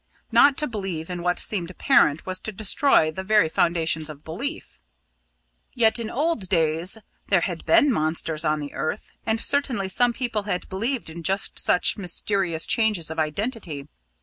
Not to believe in what seemed apparent was to destroy the very foundations of belief ... yet in old days there had been monsters on the earth, and certainly some people had believed in just such mysterious changes of identity.